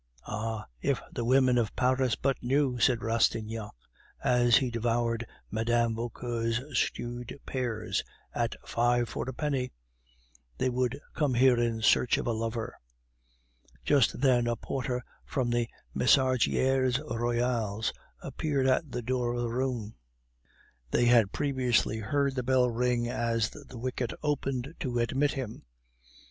"Ah! if the women of Paris but knew," said Rastignac, as he devoured Mme. Vauquer's stewed pears (at five for a penny), "they would come here in search of a lover." Just then a porter from the Messageries Royales appeared at the door of the room; they had previously heard the bell ring as the wicket opened to admit him.